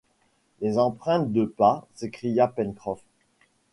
Des empreintes de pas ? s’écria Pencroff